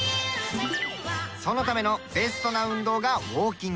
そのためのベストな運動がウォーキング。